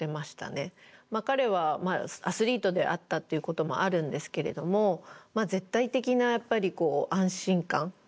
彼はアスリートであったっていうこともあるんですけれども絶対的なやっぱり安心感。